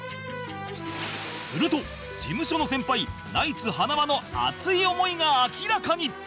すると事務所の先輩ナイツ塙の熱い思いが明らかに